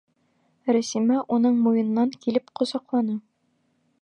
Рәсимә уны муйынынан килеп ҡосаҡланы.